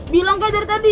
bilang kan dari tadi